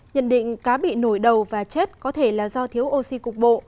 nhận định cá bị nổi đầu và chết có thể là do thiếu oxy cục bộ